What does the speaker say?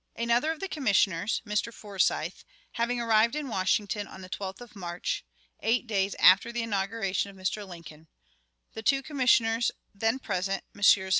Another of the Commissioners (Mr. Forsyth) having arrived in Washington on the 12th of March eight days after the inauguration of Mr. Lincoln the two Commissioners then present, Messrs.